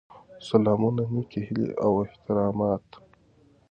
سلامونه نیکې هیلې او احترامات.